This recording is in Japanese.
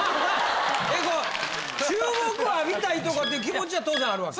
えこれ注目を浴びたいとかって気持ちは当然あるわけ？